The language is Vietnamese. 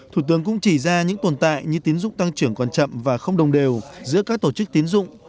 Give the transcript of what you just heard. thủ tướng cũng chỉ ra những tồn tại như tiến dụng tăng trưởng còn chậm và không đồng đều giữa các tổ chức tiến dụng